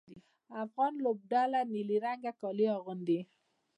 افغان لوبډله نیلي رنګه کالي اغوندي.